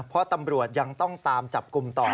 เพราะตำรวจยังต้องตามจับกลุ่มต่อ